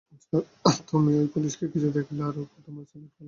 আচ্ছা, তুমি ওই পুলিশকে কিছু দেখালে, আর ও তোমাকে স্যালুট করলো।